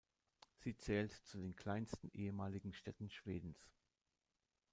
Sie zählt zu den kleinsten ehemaligen Städten Schwedens.